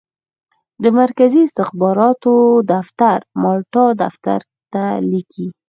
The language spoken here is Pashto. د مرکزي استخباراتو دفتر مالټا دفتر ته لیکي.